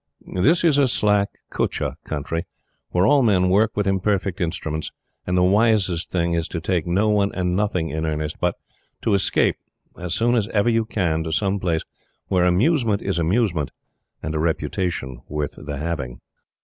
This is a slack, kutcha country where all men work with imperfect instruments; and the wisest thing is to take no one and nothing in earnest, but to escape as soon as ever you can to some place where amusement is amusement and a reputation worth the having.